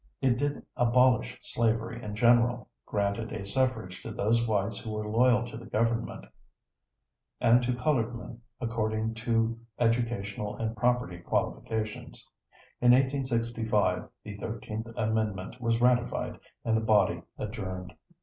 It did abolish slavery in general; granted suffrage to those whites who were loyal to the government; and to colored men according to educational and property qualifications. In 1865, the Thirteenth Amendment was ratified and the body adjourned.